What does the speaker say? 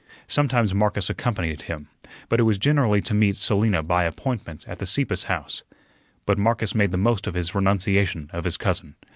Sometimes Marcus accompanied him, but it was generally to meet Selina by appointment at the Sieppes's house. But Marcus made the most of his renunciation of his cousin.